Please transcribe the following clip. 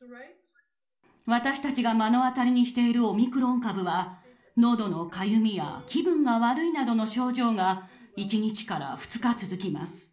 私たちが目の当たりにしているオミクロン株は、のどのかゆみや、気分が悪いなどの症状が１日から２日続きます。